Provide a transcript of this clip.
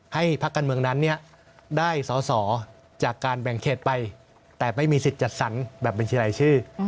ให้ภาคการเมืองนั้นเนี่ยได้สอสอจากการแบ่งเขตไปแต่ไม่มีสิทธิ์จัดสรรแบบเป็นที่ไรชื่อ